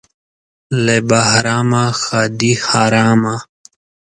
له بهرامه ښادي حرامه.